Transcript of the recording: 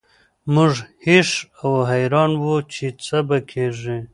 موږ هېښ او حیران وو چې څه به کیږي